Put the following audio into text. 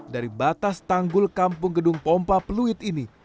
dari batas tanggul kampung gedung pompa fluid ini